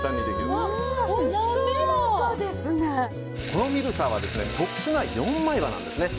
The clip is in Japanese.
このミルサーは特殊な４枚刃なんですね。